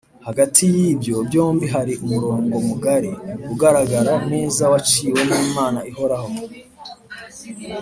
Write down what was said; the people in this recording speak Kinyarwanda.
hagati y’ibyo byombi hari umurongo mugari, ugaragara neza waciwe n’imana ihoraho